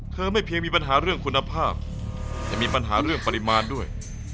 ไม่เพียงมีปัญหาเรื่องคุณภาพจะมีปัญหาเรื่องปริมาณด้วย